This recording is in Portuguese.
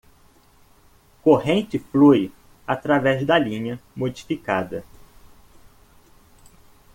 Corrente flui através da linha modificada